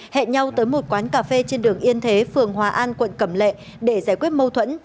hẹn nhau tới một quán cà phê trên đường yên thế phường hòa an quận cẩm lệ để giải quyết mâu thuẫn